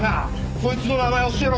そいつの名前教えろ！